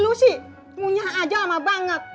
lu sih munyah aja lama banget